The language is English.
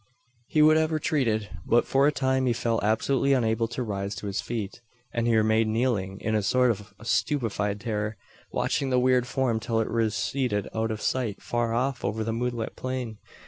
He would have retreated; but, for a time, he felt absolutely unable to rise to his feet; and he remained kneeling, in a sort of stupefied terror watching the weird form till it receded out of sight far off over the moonlit plain.